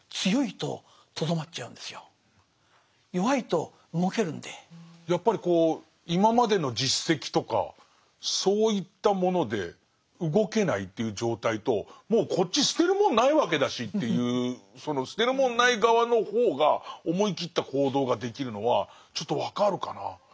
変化のあわいの時代ですからやっぱりこう今までの実績とかそういったもので動けないという状態ともうこっち捨てるもんないわけだしというその捨てるもんない側の方が思い切った行動ができるのはちょっと分かるかな。